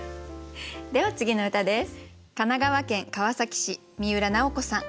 では次の歌です。